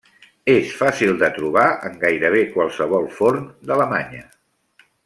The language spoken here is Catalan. És fàcil de trobar en gairebé qualsevol forn d'Alemanya.